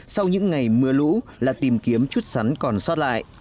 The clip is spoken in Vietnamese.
sau những ngày mưa lũ là tìm kiếm chút sắn còn xót lại